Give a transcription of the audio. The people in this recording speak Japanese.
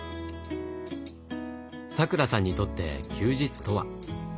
さくらさんにとって休日とは？